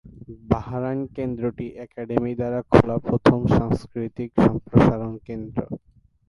Bahrain কেন্দ্রটি academy দ্বারা খোলা প্রথম সাংস্কৃতিক সম্প্রসারণ কেন্দ্র।